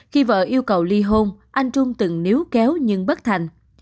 khi vợ yêu cầu ly hôn anh trung từng nếu kéo nhưng bất thành